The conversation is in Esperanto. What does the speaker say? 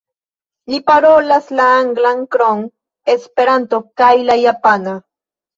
Li parolas la anglan krom esperanto kaj la japana.